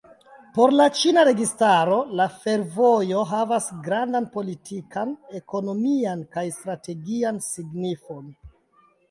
Por la ĉina registaro la fervojo havas gravan politikan, ekonomian kaj strategian signifon.